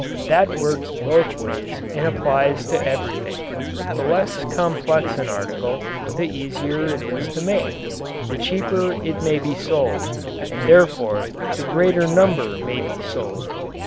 That works both ways and applies to everything. The less complex an article, the easier it is to make, the cheaper it may be sold, and therefore the greater number may be sold.